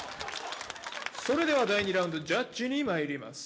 それでは第２ラウンドジャッジにまいります